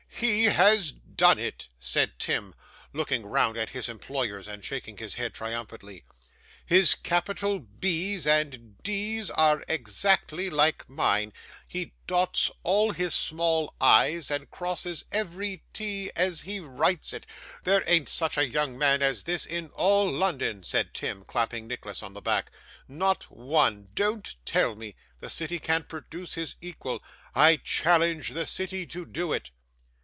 'He has done it!' said Tim, looking round at his employers and shaking his head triumphantly. 'His capital B's and D's are exactly like mine; he dots all his small i's and crosses every t as he writes it. There an't such a young man as this in all London,' said Tim, clapping Nicholas on the back; 'not one. Don't tell me! The city can't produce his equal. I challenge the city to do it!